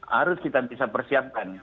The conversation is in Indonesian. harus kita bisa persiapkan